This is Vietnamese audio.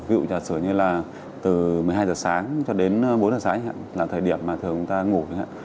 ví dụ là sửa như là từ một mươi hai h sáng cho đến bốn h sáng là thời điểm mà thường người ta ngủ